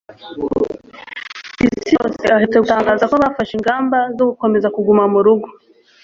ku isi hose aherutse gutangaza ko bafashe ingamba zo gukomeza kuguma mu rugo